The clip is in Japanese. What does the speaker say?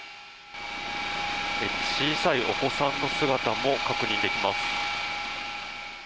小さいお子さんの姿も確認できます。